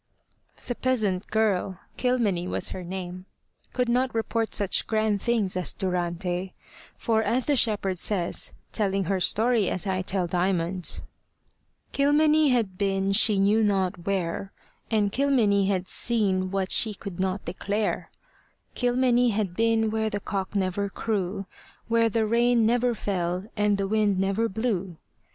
The peasant girl Kilmeny was her name could not report such grand things as Durante, for, as the shepherd says, telling her story as I tell Diamond's "Kilmeny had been she knew not where, And Kilmeny had seen what she could not declare; Kilmeny had been where the cock never crew, Where the rain never fell, and the wind never blew.